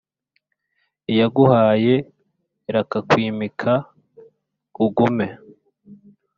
Iyaguhaye irakakwimika ugume,